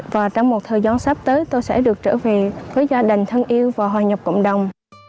và trong một thời gian sắp tới tôi sẽ được trở về với gia đình thân yêu và hòa nhập cộng đồng